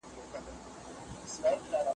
د روغتیايي امکاناتو برابرول د زده کړې ملاتړ کوي.